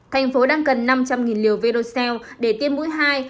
thành phố đang cần năm trăm linh liều vercell để tiêm mũi hai